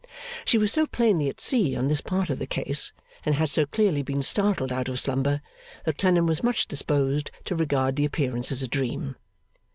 She was so plainly at sea on this part of the case, and had so clearly been startled out of slumber, that Clennam was much disposed to regard the appearance as a dream.